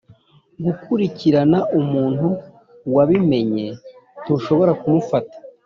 Gukurikirana umuntu wabimenye ntushobora ku mufata